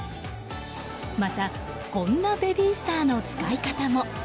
また、こんなベビースターの使い方も。